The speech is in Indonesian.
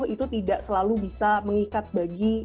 itu tidak selalu bisa mengikat bagi